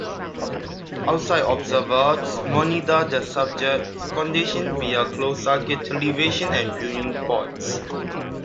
Outside observers monitor the subjects' condition via closed circuit television and viewing ports.